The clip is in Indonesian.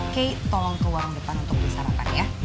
kei tolong ke warung depan untuk disarankan ya